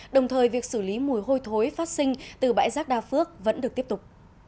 đồng thời việc xử lý mùi hôi thối phát sinh từ bãi rác đa phước vẫn được tiếp tục